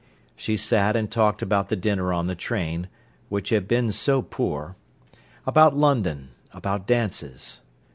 She sat and talked about the dinner on the train, which had been so poor; about London, about dances.